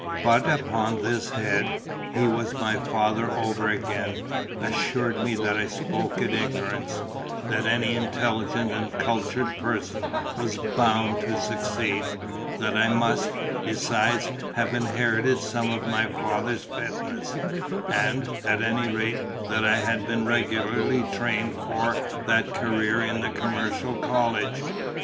But upon this head, he was my father over again; assured me that I spoke in ignorance; that any intelligent and cultured person was Bound to succeed; that I must, besides, have inherited some of my father's fitness; and, at any rate, that I had been regularly trained for that career in the commercial college.